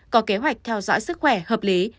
có kế hoạch theo dõi sức khỏe hợp lý